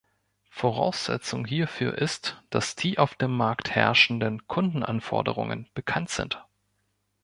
Voraussetzung hierfür ist, dass die auf dem Markt herrschenden Kundenanforderungen bekannt sind.